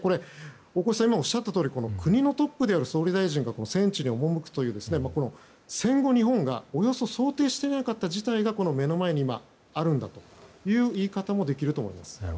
大越さんが今おっしゃったように国のトップである総理大臣が戦地に赴くという戦後、日本が想定していなかった事態がこの目の前に今、あるんだという言い方もできると思います。